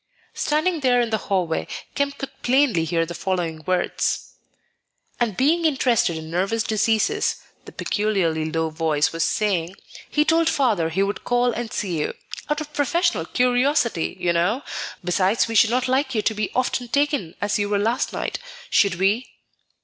Standing there in the hallway, Kemp could plainly hear the following words: "And being interested in nervous diseases," the peculiarly low voice was saying, "he told Father he would call and see you, out of professional curiosity, you know; besides we should not like you to be often taken as you were last night, should we?"